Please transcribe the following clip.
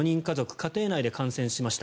家庭内で感染しました。